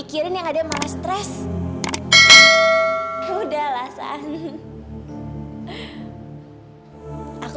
karena kamu satu ruangan sama aku